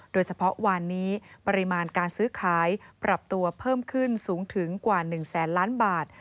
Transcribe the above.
โดยเฉพาะวานนี้ปริมาณการซื้อขายปรับตัวเพิ่มขึ้นสูงถึงกว่า๑แสนล้านบาท